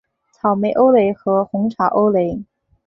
草莓欧蕾和红茶欧蕾